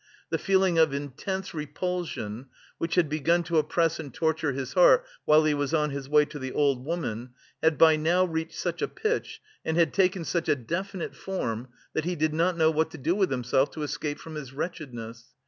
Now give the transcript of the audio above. The feeling of intense repulsion, which had begun to oppress and torture his heart while he was on his way to the old woman, had by now reached such a pitch and had taken such a definite form that he did not know what to do with himself to escape from his wretchedness.